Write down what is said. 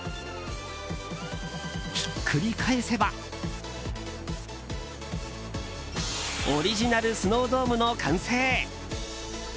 ひっくり返せばオリジナルスノードームの完成！